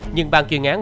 nhưng ban quyền án